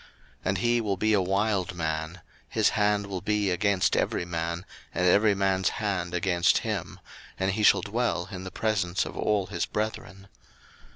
01:016:012 And he will be a wild man; his hand will be against every man, and every man's hand against him; and he shall dwell in the presence of all his brethren.